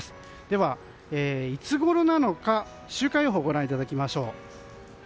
では、いつごろなのか週間予報をご覧いただきましょう。